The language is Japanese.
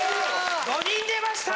５人出ました！